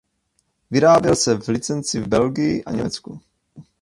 Vyráběl se v licenci v Belgii a Německu.